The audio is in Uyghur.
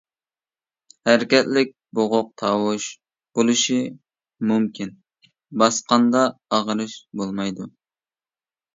ھەرىكەتلىك بوغۇق تاۋۇش بولۇشى مۇمكىن باسقاندا ئاغرىش بولمايدۇ.